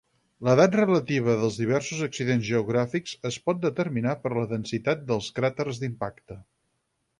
L'edat relativa dels diversos accidents geogràfics es pot determinar per la densitat dels cràters d'impacte.